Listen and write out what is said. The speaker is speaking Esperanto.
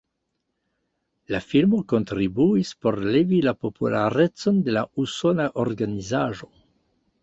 La filmo kontribuis por levi la popularecon de la usona organizaĵo.